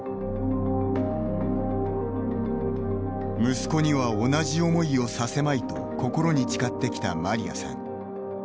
息子には同じ思いをさせまいと心に誓ってきたマリアさん。